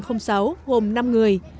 tàu bạch đằng sáu gồm năm người